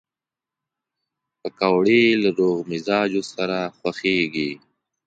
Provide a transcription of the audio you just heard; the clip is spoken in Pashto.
پکورې له روغ مزاجو سره خوښېږي